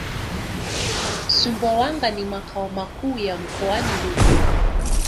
Sumbawanga ni makao makuu ya mkoani Rukwa